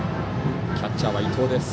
キャッチャーは伊藤です。